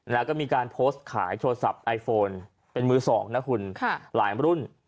แล้วก็มีการโพสต์ขายโทรศัพท์ไอโฟนเป็นมือสองนะคุณหลายรุ่น